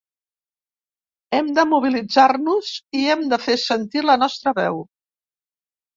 Hem de mobilitzar-nos i hem de fer sentir la nostra veu.